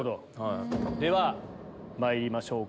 ではまいりましょうか。